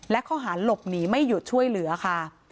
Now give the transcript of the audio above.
และข้อหาหลบหนีไม่หยุดช่วยเหลือค่ะ